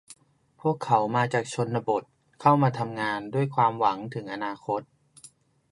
พวกเขามาจากชนบท เข้ามาทำงานด้วยความหวังถึงอนาคต